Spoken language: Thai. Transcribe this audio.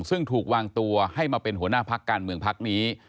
ซึ่งถูกวางตัวให้มาเป็นหัวหน้าพักการเมืองพักนี้